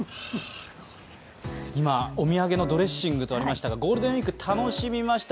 今、お土産のドレッシングとありましたが、ゴールデンウイーク、楽しみました